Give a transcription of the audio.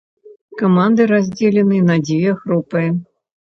Каманды раздзелены на дзве групы.